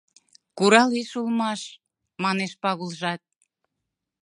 — Куралеш улмаш, — манеш Пагулжат.